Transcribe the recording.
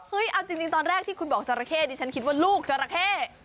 เอาจริงตอนแรกที่คุณบอกจราเข้ดิฉันคิดว่าลูกจราเข้